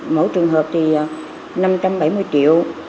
mỗi trường hợp thì năm trăm bảy mươi triệu